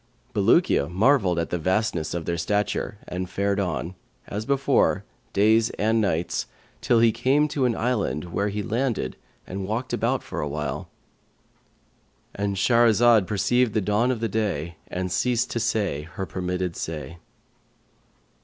Bulukiya marvelled at the vastness of their stature and fared on, as before, days and nights, till he came to an island where he landed and walked about for a while,"—And Shahrazad perceived the dawn of day and ceased to say her permitted say.